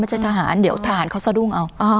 ไม่ใช่ทหารเดี๋ยวทหารเขาจะดุ้งเอา